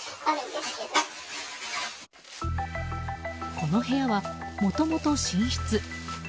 この部屋はもともと寝室。